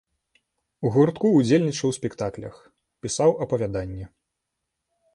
У гуртку ўдзельнічаў у спектаклях, пісаў апавяданні.